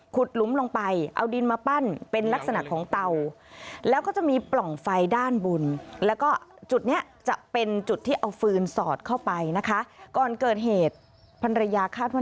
ก่อนเกิดเหตุพันธุระยะคาดว่า